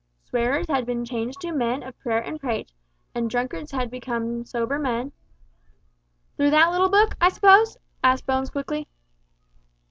Swearers had been changed to men of prayer and praise, and drunkards had become sober men "Through that little book, I suppose?" asked Bones quickly.